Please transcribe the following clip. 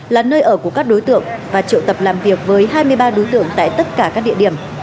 là nơi ở của các đối tượng và triệu tập làm việc với hai mươi ba đối tượng tại tất cả các địa điểm